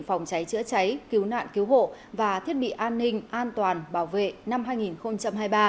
phòng cháy chữa cháy cứu nạn cứu hộ và thiết bị an ninh an toàn bảo vệ năm hai nghìn hai mươi ba